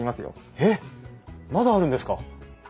えっまだあるんですか？